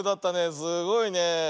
すごいねえ。